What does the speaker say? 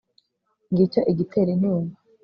ngicyo igitera intimba